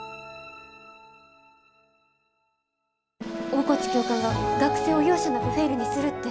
大河内教官が学生を容赦なくフェイルにするって。